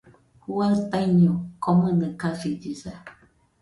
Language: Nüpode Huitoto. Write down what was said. Juaɨ taiño komɨnɨ kasillesa.